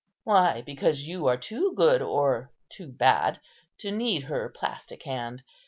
"Why, because you are too good or too bad to need her plastic hand.